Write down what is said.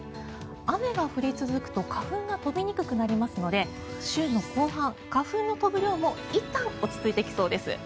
雨が降り続くと花粉が飛びにくくなりますので週の後半、花粉の飛ぶ量もいったん落ち着いてきそうです。